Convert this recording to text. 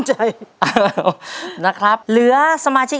ใช่นักร้องบ้านนอก